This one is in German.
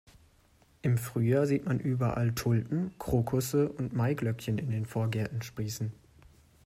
Im Frühjahr sieht man überall Tulpen, Krokusse und Maiglöckchen in den Vorgärten sprießen.